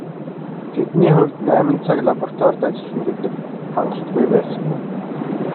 Тэдний хувьд найман цаг лабораторид ажиллана гэдэг хангалтгүй байсан юм.